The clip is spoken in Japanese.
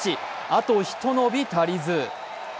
あとひと伸び足りず。